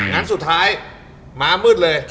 งั้นสุดท้ายม้ามืดเลย